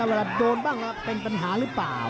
แล้วเวลาโดนบ้างเป็นปัญหาหรือเปล่า